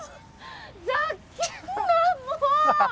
ざけんなもう！